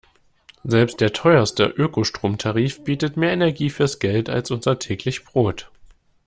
Selbst der teuerste Ökostromtarif bietet mehr Energie fürs Geld als unser täglich Brot.